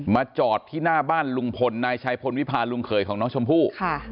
จอดที่หน้าบ้านลุงพลนายชัยพลวิพาลุงเขยของน้องชมพู่